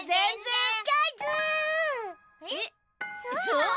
そう？